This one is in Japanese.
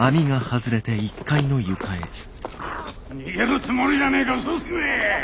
逃げるつもりじゃねえかうそつきめ！